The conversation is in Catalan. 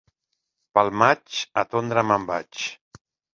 Pel maig a tondre me'n vaig.